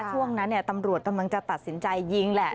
ช่วงนั้นตำรวจกำลังจะตัดสินใจยิงแหละ